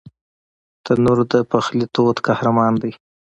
تنور د پخلي تود قهرمان دی